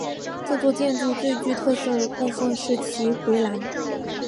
这座建筑最具特色的部分是其回廊。